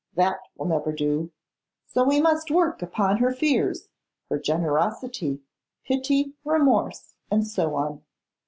That will never do. So we must work upon her fears, her generosity, pity, remorse, and so on.